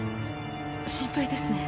心配ですね。